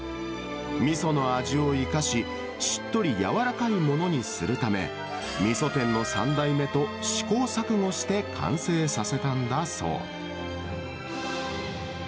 みその味を生かし、しっとり柔らかいものにするため、みそ店の３代目と試行錯誤して完成させたんだそう。